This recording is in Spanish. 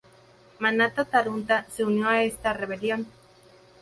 Manapa-Tarhunta se unió a esta rebelión.